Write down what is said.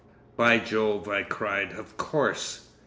_" "By Jove!" I cried, "of course!